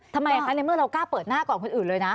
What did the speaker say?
ทำไมคะในเมื่อเรากล้าเปิดหน้าก่อนคนอื่นเลยนะ